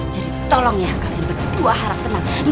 jadi tolong ya kalian berdua harap tenang